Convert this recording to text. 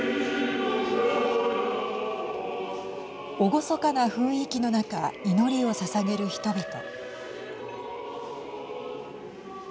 厳かな雰囲気の中祈りをささげる人々。